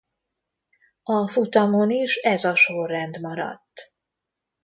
A futamon is ez a sorrend maradt.